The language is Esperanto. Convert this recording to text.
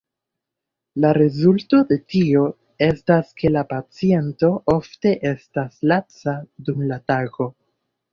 La rezulto de tio estas ke la paciento ofte estas laca dum la tago.